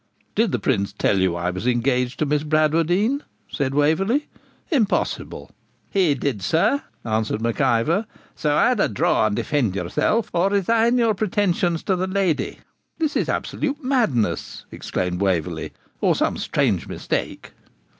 'Did the Prince tell you I was engaged to Miss Bradwardine?' said Waverley. 'Impossible.' 'He did, sir,' answered Mac Ivor; 'so, either draw and defend yourself or resign your pretensions to the lady.' 'This is absolute madness,' exclaimed Waverley, 'or some strange mistake!'